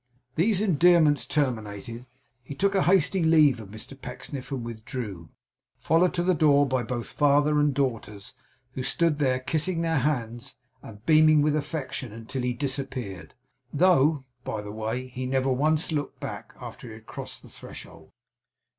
These endearments terminated, he took a hasty leave of Mr Pecksniff and withdrew, followed to the door by both father and daughters, who stood there kissing their hands and beaming with affection until he disappeared; though, by the way, he never once looked back, after he had crossed the threshold.